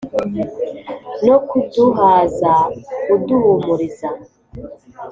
no kuduhaza uduhumuriza